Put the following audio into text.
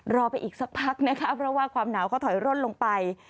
รอไปอีกสักพักนะคะเพราะว่าความหนาวเขาถอยร่นลงไป